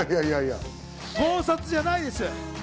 盗撮じゃないです。